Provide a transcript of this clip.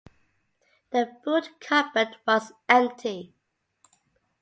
The boot cupboard was empty.